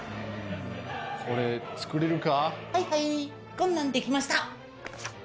こんなんできました。